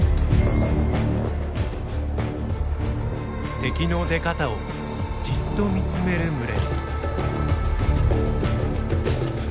敵の出方をじっと見つめる群れ。